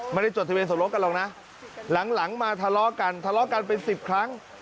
ไม่ได้จดทะเบียสมรสกันหรอกนะหลังมาทะเลาะกันทะเลาะกันเป็นสิบครั้ง